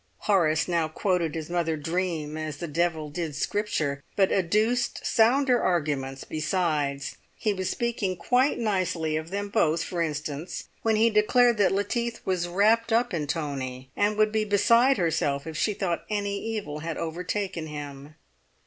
Horace now quoted his mother's dream as the devil did Scripture, but adduced sounder arguments besides; he was speaking quite nicely of them both, for instance, when he declared that Lettice was wrapped up in Tony, and would be beside herself if she thought any evil had overtaken him.